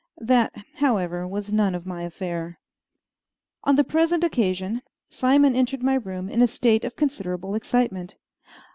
That, however, was none of my affair. On the present occasion, Simon entered my room in a state of considerable excitement.